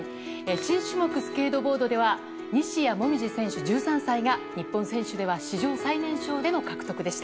新種目スケートボードでは西矢椛選手、１３歳が日本選手では史上最年少での獲得でした。